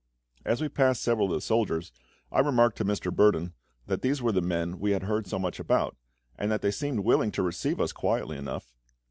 As we passed several of the soldiers, I remarked to Mr. Burdon that these were the men we had heard so much about, and that they seemed willing to receive us quietly enough.